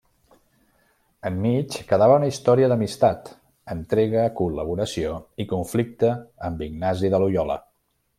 Enmig, quedava una història d'amistat, entrega, col·laboració i conflicte amb Ignasi de Loiola.